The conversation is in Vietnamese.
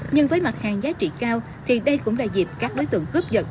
nhưng với mặt hàng giá trị cao thì đây cũng là dịp các đối tượng cướp giật